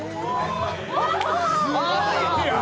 すごいやん！